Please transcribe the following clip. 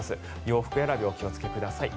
洋服選び、お気をつけください。